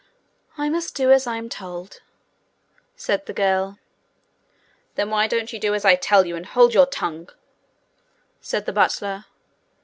'I must do as I am told,' said the girl. 'Then why don't you do as I tell you, and hold your tongue?' said the butler.